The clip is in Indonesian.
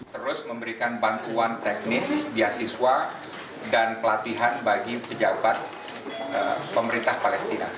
terus memberikan bantuan teknis beasiswa dan pelatihan bagi pejabat pemerintah palestina